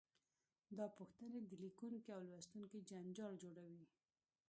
دا پوښتنې د لیکونکي او لوستونکي جنجال جوړوي.